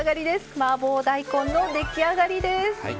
マーボー大根の出来上がりです。